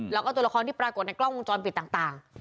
แล้วก็ตัวละครที่ปรากฏในกล้องวงจรปิดต่าง